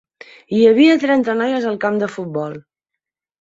Hi havia trenta noies al camp de futbol.